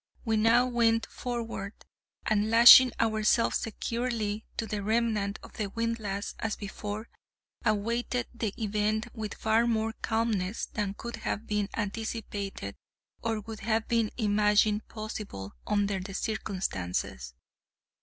We now went forward, and, lashing ourselves securely to the remnant of the windlass as before, awaited the event with far more calmness than could have been anticipated or would have been imagined possible under the circumstances.